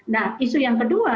nah isu yang kedua